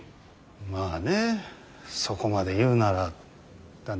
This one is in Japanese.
まあねそこまで言うならだな。